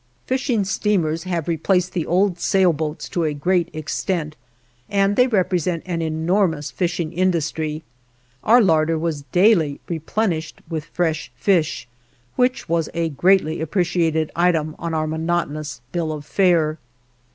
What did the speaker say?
Fishing steamers have replaced the old sailboats to a great extent, and they represent an enormous fishing industry. Our larder was daily replenished with fresh fish, which was a greatly appreciated item on our monotonous bill of fare.